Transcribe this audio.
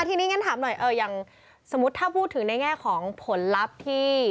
ทีนี้งั้นถามหน่อยอย่างสมมุติถ้าพูดถึงในแง่ของผลลัพธ์ที่